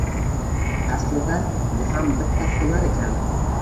Aslida, bu ham bitta hunar ekan.